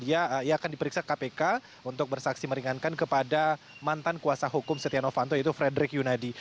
ia akan diperiksa kpk untuk bersaksi meringankan kepada mantan kuasa hukum setia novanto yaitu frederick yunadi